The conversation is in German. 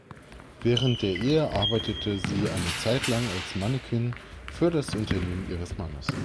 Während der Ehe arbeitete sie eine Zeitlang als Mannequin für das Unternehmen ihres Mannes.